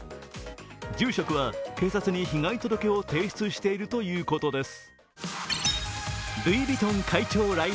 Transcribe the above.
住職は、警察に被害届を提出しているということです。